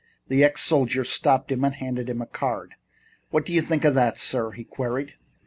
The ex soldier stopped him and handed him a card. "What do you think of that, sir?" he queried.